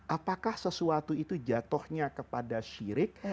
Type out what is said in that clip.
apakah sesuatu itu jatuhnya kepada syirik